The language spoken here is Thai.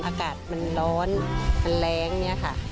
อากาศมันร้อนมันแรงเนี่ยค่ะ